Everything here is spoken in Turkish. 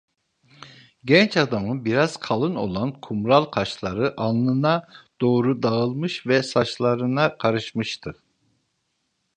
Genç adamın biraz kalın olan kumral kaşları alnına doğru dağılmış ve saçlarına karışmıştı.